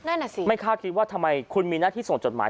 นั่นอ่ะสิไม่คาดคิดว่าทำไมคุณมีหน้าที่ส่งจดหมาย